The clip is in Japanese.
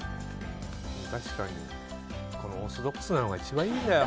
確かにオーソドックスなのが一番いいんだよ。